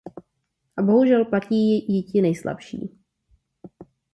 A bohužel platí ji ti nejslabší.